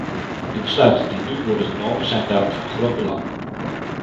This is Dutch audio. De besluiten die nu worden genomen zijn daarom van groot belang.